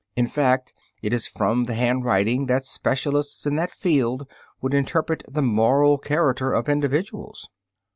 In fact, it is from the handwriting that specialists in that subject would interpret the moral character of individuals.